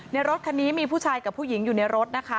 รถคันนี้มีผู้ชายกับผู้หญิงอยู่ในรถนะคะ